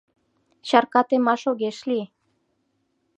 Чарка темаш огеш лий.